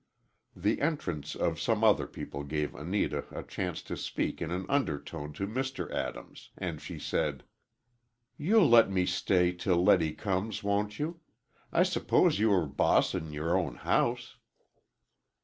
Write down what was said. The entrance of some other people gave Anita a chance to speak in an undertone to Mr. Adams, and she said; "You'll let me stay till Letty comes, won't you? I suppose you are boss in your own house."